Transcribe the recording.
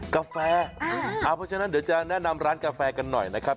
กาแฟเพราะฉะนั้นเดี๋ยวจะแนะนำร้านกาแฟกันหน่อยนะครับ